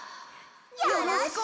よろしくね！